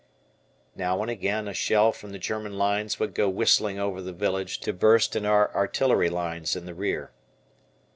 Now and again a shell from the German lines would go whistling over the village to burst in our artillery lines in the rear.